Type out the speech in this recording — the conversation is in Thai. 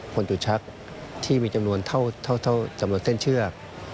ผลจุดชักที่มีจำนวนเท่าเส้นเชื่อ